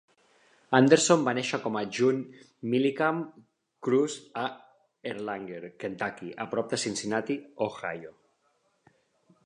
Anderson va néixer com a June Millichamp Kruse a Erlanger, Kentucky, a prop de Cincinnati, Ohio.